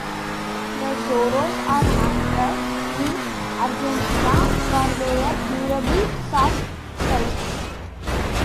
The zorros are hunted in Argentina for their durable, soft pelts.